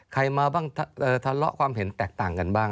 ใครมาบ้างทะเลาะความเห็นแตกต่างกันบ้าง